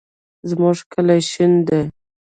زمونږ کلی شین دی